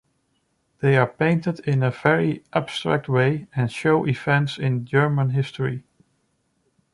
They are painted in a very abstract way and show events in German history.